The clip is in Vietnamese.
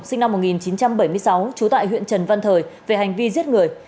sinh năm một nghìn chín trăm bảy mươi sáu trú tại huyện trần văn thời về hành vi giết người